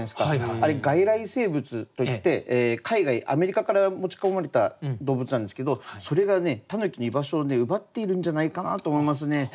あれ外来生物といって海外アメリカから持ち込まれた動物なんですけどそれがね狸の居場所を奪っているんじゃないかなと思いますね。